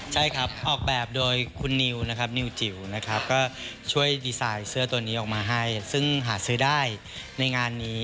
ใช่ครับออกแบบโดยคุณนิวนะครับนิวจิ๋วนะครับก็ช่วยดีไซน์เสื้อตัวนี้ออกมาให้ซึ่งหาซื้อได้ในงานนี้